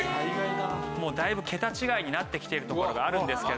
もうだいぶ桁違いになってきているところがあるんですけれども。